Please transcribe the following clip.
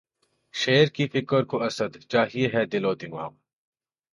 شعر کی فکر کو اسدؔ! چاہیے ہے دل و دماغ